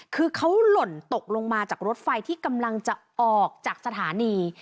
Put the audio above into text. คือเขาหล่นตกลงมาจากรถไฟที่กำลังจะออกจากสถานี